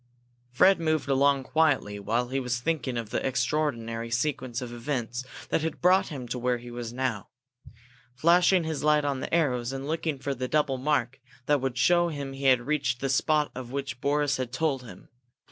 Fred moved along quietly while he was thinking of the extraordinary sequence of events that had brought him to where he now was, flashing his light on the arrows, and looking for the double mark that would show him he had reached the spot of which Boris had told him.